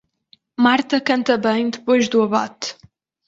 Marta canta bem depois do abate.